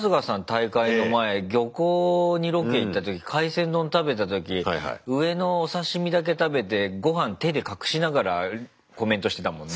大会の前漁港にロケ行った時海鮮丼食べた時上のお刺身だけ食べてごはん手で隠しながらコメントしてたもんね。